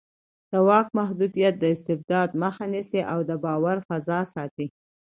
د واک محدودیت د استبداد مخه نیسي او د باور فضا ساتي